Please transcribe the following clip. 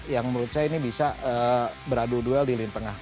yang menurut saya ini bisa beradu duel di lintengah